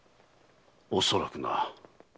恐らくな。